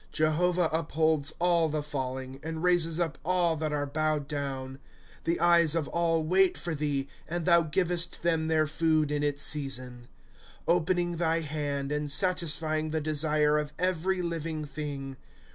" Jehovah upholds all the fiiUing, And raises up all that are bowed down. ^* The eyes of all wait for thee, And thou givest them their food in its season ;" Opening thy hand, And satisfying the desire of every living thing.